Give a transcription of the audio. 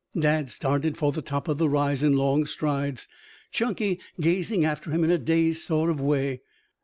Dad started for the top of the rise in long strides, Chunky gazing after him in a dazed sort of way.